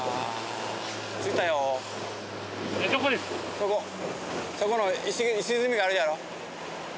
そこの石積みがあるやろ。